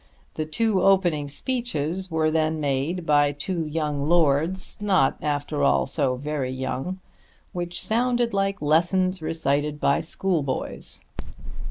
Two opening speeches were then made by two young lords, not after all so very young, which sounded like lessons recited by schoolboys.